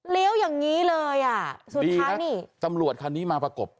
เลี้ยวอย่างงี้เลยอ่ะสุดท้านี่ดีนะตำรวจคันนี้มาประกบ